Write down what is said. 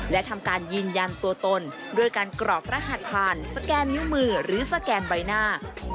และทำการยืนยันตัวตนด้วยการกรอกรหัสผ่านสแกนนิ้วมือหรือสแกนใบหน้า